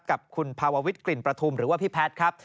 กับคุณภาววิทกลิ่นประทุมหรือว่าพี่แพทย์ครับ